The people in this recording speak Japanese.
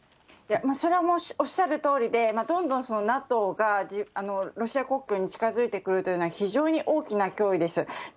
それはもうおっしゃるとおりで、どんどんＮＡＴＯがロシア国境に近づいてくるというのは、非常に大きな脅威です。